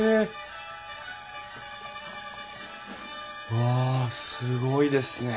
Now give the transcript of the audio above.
うわすごいですね。